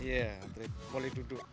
iya boleh duduk